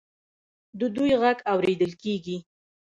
د دوی غږ اوریدل کیږي.